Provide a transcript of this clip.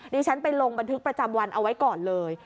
ดิฉันไปลงบันทึกประจำวันเอาไว้ก่อนเลย